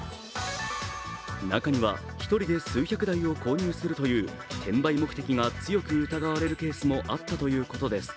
中には１人で数百台を購入するという転売目的が強く疑われるケースもあったということです。